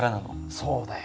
そうだよ。